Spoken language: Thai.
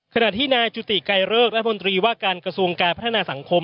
ขณะที่นายจุติไกรเลิกรัฐมนตรีว่าการกระทรวงการพัฒนาสังคม